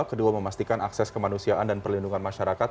kedua memastikan akses kemanusiaan dan perlindungan masyarakat